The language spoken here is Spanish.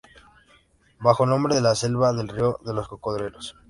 Bajo el nombre de "La Selva del Río de los Cocodrilos.